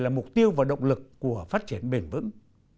là mục tiêu và động lực của phát triển bền vững